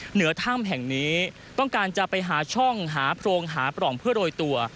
เหนือถ้ำแห่งนี้ต้องการจะไปหาช่องหาโพรงหาปล่องเพื่อโรยตัว